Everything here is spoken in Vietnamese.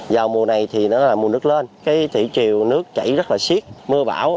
dào mùa này thì nó là mùa nước lên cái thủy triều nước chảy rất là xiết mưa bão